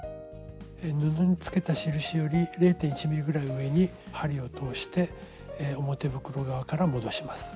布につけた印より０．１ｍｍぐらい上に針を通して表袋側から戻します。